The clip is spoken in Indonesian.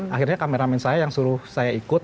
akhirnya kameramen saya yang suruh saya ikut